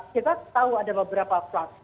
kita tahu ada beberapa platform